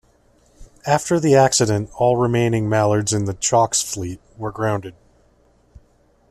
After the accident all remaining Mallards in the Chalk's fleet were grounded.